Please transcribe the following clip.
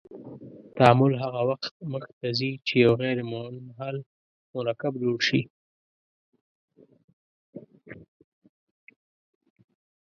تعامل هغه وخت مخ ته ځي چې یو غیر منحل مرکب جوړ شي.